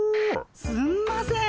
すんません。